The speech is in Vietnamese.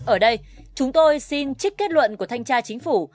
ở đây chúng tôi xin trích kết luận của thanh tra chính phủ